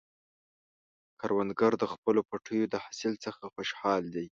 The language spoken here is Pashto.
کروندګر د خپلو پټیو د حاصل څخه خوشحال دی